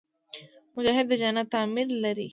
مجاهد د جنت امید لري.